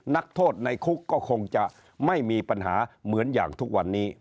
นักโทษในคุกก็คงจะไม่มีปัญหาเหมือนอย่างทุกวันนี้